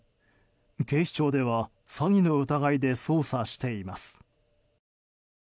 警視庁では詐欺の疑いで捜査しています。